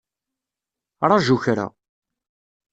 Ṛaju kra.